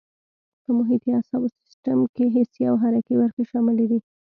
په محیطي اعصابو سیستم کې حسي او حرکي برخې شاملې دي.